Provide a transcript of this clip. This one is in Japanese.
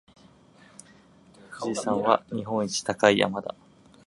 富士山は日本一高い山だ。